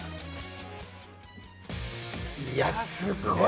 いや、すごい！